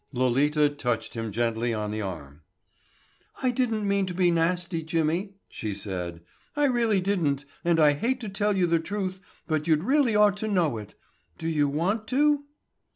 Lolita touched him gently on the arm. "I didn't mean to be nasty, Jimmy," she said. "I really didn't and I hate to tell you the truth, but you'd really ought to know it. Do you want to?"